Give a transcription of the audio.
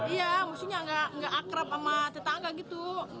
iya maksudnya nggak akrab sama tetangga gitu